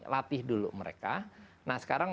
latih dulu mereka nah sekarang